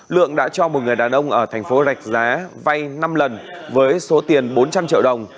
lượng đã cho một người đàn ông ở thành phố rạch giá vay năm lần với số tiền bốn trăm linh triệu đồng